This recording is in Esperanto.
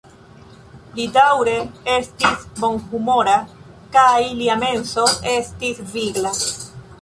Li daŭre estis bonhumora kaj lia menso estis vigla.